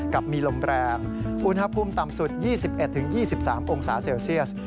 กับมีลมแรงอุณหภูมิต่ำสุด๒๑๒๓องศาเซลเซียส